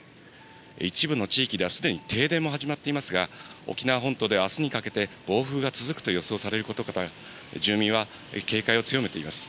一部の地域ではすでに停電も始まっていますが、沖縄本島ではあすにかけて暴風が続くと予想されることから、住民は警戒を強めています。